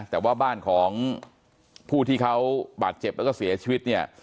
แต่ว่าบ้านของผู้ที่เขาบาดเจ็บแล้วก็เสียชีวิตเนี่ย